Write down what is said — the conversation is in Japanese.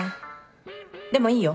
でもいいよ。